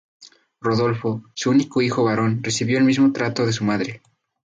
Rodolfo, su único hijo varón, recibió el mismo trato de su madre.